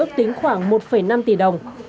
ước tính khoảng một năm tỷ đồng